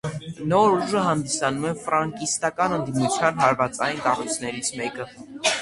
«Նոր ուժը» հանդիսանում էր ֆրանկիստական ընդդիմության հարվածային կառույցներից մեկը։